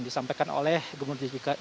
ini disampaikan oleh gubernur dki jakarta